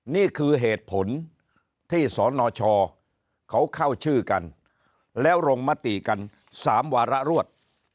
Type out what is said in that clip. นี่คือเหตุผลที่สนชเขาเข้าชื่อกันแล้วลงมติกัน๓วาระรวด